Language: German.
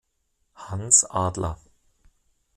Hans Adler.